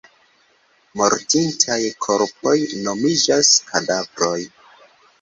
Mortintaj korpoj nomiĝas kadavroj.